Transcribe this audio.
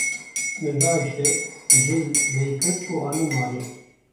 Min rahiştê, cil lê kir û anî malê.